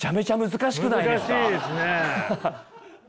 難しいですね。